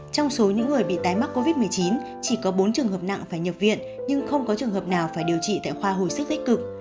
trong số những người bị tái mắc covid một mươi chín chỉ có bốn trường hợp nặng phải nhập viện nhưng không có trường hợp nào phải điều trị tại khoa hồi sức tích cực